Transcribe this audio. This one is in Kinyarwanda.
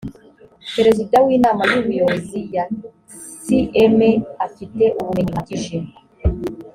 perezida w inama y ubuyobozi ya cma afite ubumenyi buhagije